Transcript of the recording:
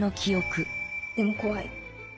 でも怖い。